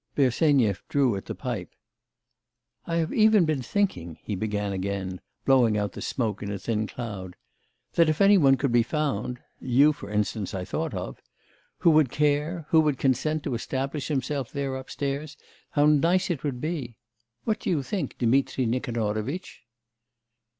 Bersenyev drew at the pipe: 'I have even been thinking,' he began again, blowing out the smoke in a thin cloud, 'that if any one could be found you, for instance, I thought of who would care, who would consent to establish himself there upstairs, how nice it would be! What do you think, Dmitri Nikanorovitch?